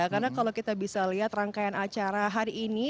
karena kalau kita bisa lihat rangkaian acara hari ini